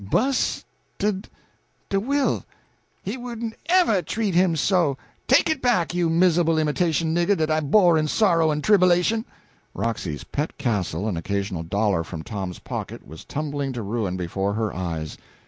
"Bu's ted de will! He wouldn't ever treat him so! Take it back, you mis'able imitation nigger dat I bore in sorrow en tribbilation." Roxy's pet castle an occasional dollar from Tom's pocket was tumbling to ruin before her eyes.